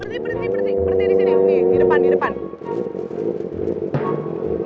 berhenti disini di depan di depan